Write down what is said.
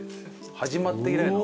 始まって以来の。